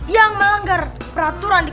yang melanggar peraturan ini